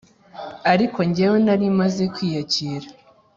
ariko njyewe nari maze kwiyakira